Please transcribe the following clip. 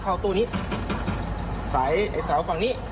เขาตู้นี้ใส่ไฟฟ้าฝั่งนี้